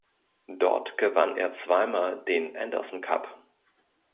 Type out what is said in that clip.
Dort gewann er zweimal den Anderson Cup.